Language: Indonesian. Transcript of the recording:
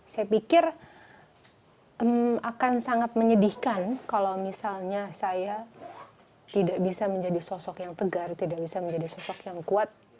saya pikir akan sangat menyedihkan kalau misalnya saya tidak bisa menjadi sosok yang tegar tidak bisa menjadi sosok yang kuat